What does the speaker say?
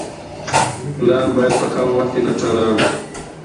پلان باید په کم وخت کې ګټه راوړي.